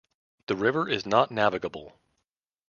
The river is not navigable.